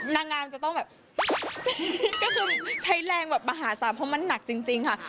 นางงามจะต้องก็ใช้แรงมาหาสารเพราะมันนักจริงค่ะ